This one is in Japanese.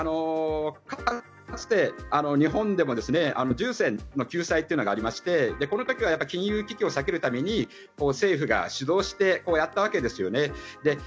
かつて、日本でも住専救済というのがありましてこの時は金融危機を避けるために政府が主導してやったわけです。